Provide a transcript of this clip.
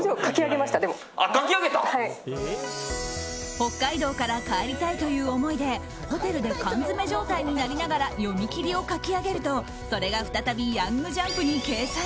北海道から帰りたいという思いでホテルで缶詰め状態になりながら読み切りを描き上げるとそれが再び「ヤングジャンプ」に掲載。